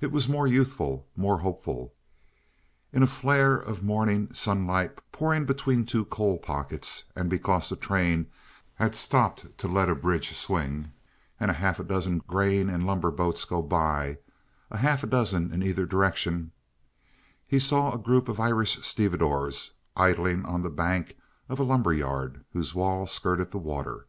It was more youthful, more hopeful. In a flare of morning sunlight pouring between two coal pockets, and because the train had stopped to let a bridge swing and half a dozen great grain and lumber boats go by—a half dozen in either direction—he saw a group of Irish stevedores idling on the bank of a lumber yard whose wall skirted the water.